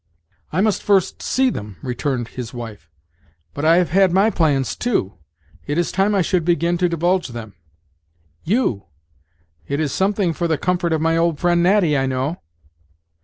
"I must first see them," returned his wife. "But I have had my plans, too; it is time I should begin to divulge them." "You! It is something for the comfort of my old friend, Natty, I know."